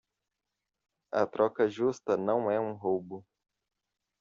A troca justa não é um roubo.